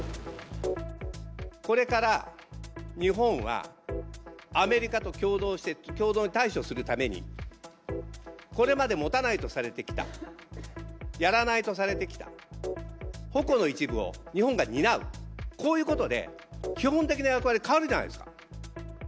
これから日本はアメリカと共同して、共同に対処するために、これまで持たないとされてきたやらないとされてきた、矛の一部を日本が担う、こういうことで基本的な役割変わるじゃないですか。